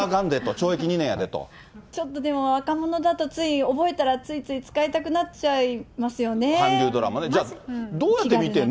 懲役ちょっとでも、若者だとつい、覚えたら、ついつい使いたくなっちゃいますよね。